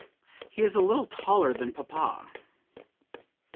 He is a little taller than papa."